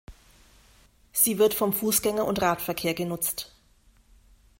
Sie wird vom Fußgänger- und Radverkehr genutzt.